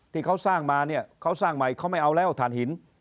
ที่เขาสร้างมาเนี่ยเขาสร้างใหม่เขาไม่เอาแล้วฐานหิน